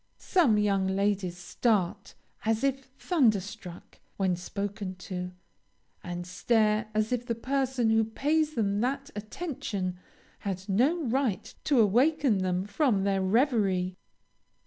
Some young ladies start, as if thunderstruck, when spoken to, and stare as if the person who pays them that attention, had no right to awaken them from their reverie.